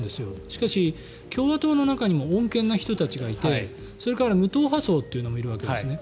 しかし、共和党の中にも穏健な人たちがいてそれから無党派層もいるわけですね。